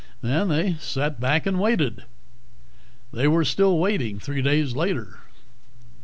Then they sat back and waited. They were still waiting three days later.